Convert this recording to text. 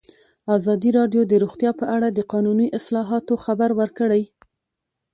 ازادي راډیو د روغتیا په اړه د قانوني اصلاحاتو خبر ورکړی.